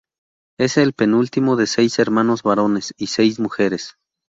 Es el penúltimo de seis hermanos varones y seis mujeres.